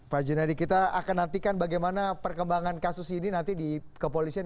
pak junadi kita akan nantikan bagaimana perkembangan kasus ini nanti di kepolisian